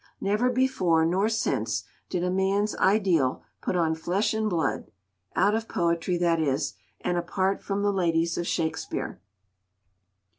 Never before nor since did a man's ideal put on flesh and blood—out of poetry, that is,—and apart from the ladies of Shakspeare.